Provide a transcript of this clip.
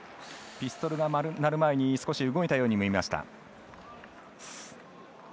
ピストルが鳴る前に少し動いたように見えました。